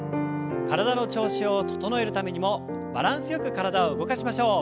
体の調子を整えるためにもバランスよく体を動かしましょう。